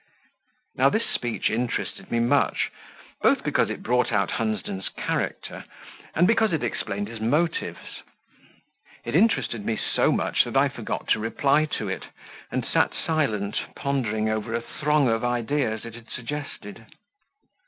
Now this speech interested me much, both because it brought out Hunsden's character, and because it explained his motives; it interested me so much that I forgot to reply to it, and sat silent, pondering over a throng of ideas it had suggested.